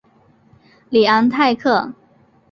里昂泰克。